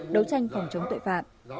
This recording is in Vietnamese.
đấu tranh phòng chống tội phạm